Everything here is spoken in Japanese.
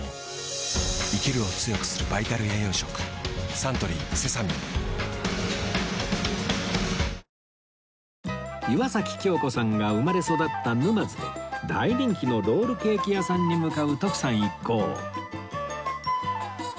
サントリーセサミン岩崎恭子さんが生まれ育った沼津で大人気のロールケーキ屋さんに向かう徳さん一行